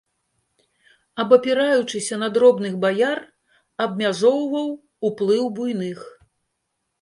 Абапіраючыся на дробных баяр, абмяжоўваў уплыў буйных.